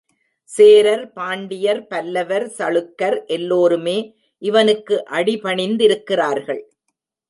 சேரர், பாண்டியர், பல்லவர், சளுக்கர் எல்லோருமே இவனுக்கு அடிபணிந்திருக்கிறார்கள்.